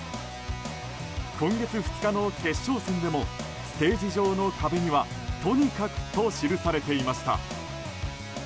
今月２日の決勝戦でもステージ上の壁には「ＴＯＮＩＫＡＫＵ」と記されていました。